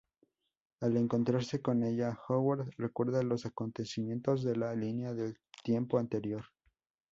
Al encontrarse con ella, Howard recuerda los acontecimientos de la línea de tiempo anterior.